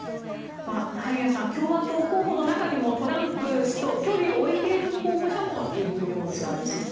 萩谷さん共和党候補の中にもトランプ氏と距離を置いている候補者もいるようではあります。